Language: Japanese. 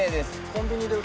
コンビニで。